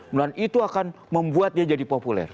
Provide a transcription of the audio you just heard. bulan itu akan membuat dia jadi populer